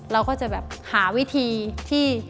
เราก็จะแบบหาวิธีที่